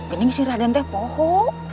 ini si raden teh poho